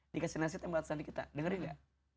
dikasih nasihat sama atasan kita dengerin gak